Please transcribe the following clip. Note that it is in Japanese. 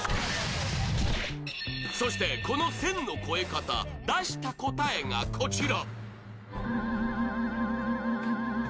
そして、この線の越え方、出した答えがこちら。